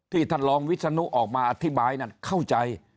ท่านรองวิศนุออกมาอธิบายนั่นเข้าใจ